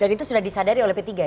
dan itu sudah disadari oleh p tiga ya